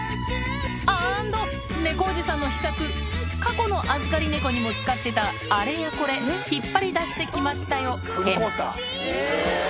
アンド猫おじさんの秘策、過去の預かり猫にも使ってたあれやこれ、引っ張り出してきましたよ編。